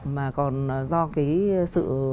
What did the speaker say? mà còn do cái sự